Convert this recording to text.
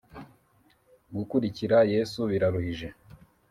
Gukurikira yesu biraruhije